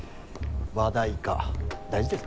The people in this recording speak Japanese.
話題化大事ですからね。